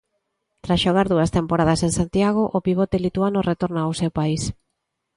Tras xogar dúas temporadas en Santiago, o pivote lituano retorna ao seu país.